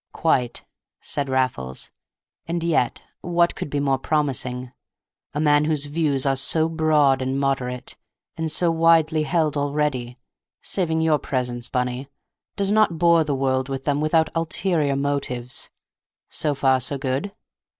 "Quite," said Raffles; "and yet what could be more promising? A man whose views are so broad and moderate, and so widely held already (saving your presence, Bunny), does not bore the world with them without ulterior motives. So far so good.